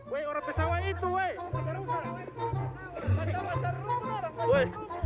weh weh orang pesawah itu weh